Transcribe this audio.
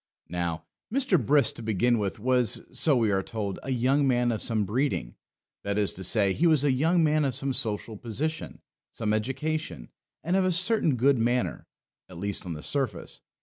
Now, Mr. Brisk, to begin with, was, so we are told, a young man of some breeding, that is to say, he was a young man of some social position, some education, and of a certain good manner, at least on the surface.